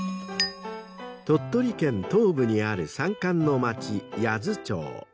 ［鳥取県東部にある山間の町］